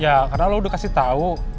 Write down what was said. ya karena lu udah kasih tahu